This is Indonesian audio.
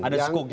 ada cekung ya